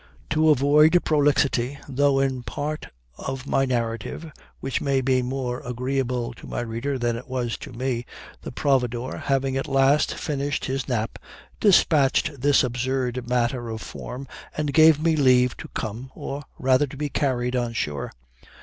To avoid prolixity, though in a part of my narrative which may be more agreeable to my reader than it was to me, the providore, having at last finished his nap, dispatched this absurd matter of form, and gave me leave to come, or rather to be carried, on shore.